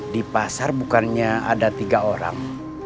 di pasar bukannya ada tiga orang